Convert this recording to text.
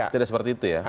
tidak seperti itu ya